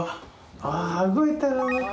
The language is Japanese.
あっ動いてる。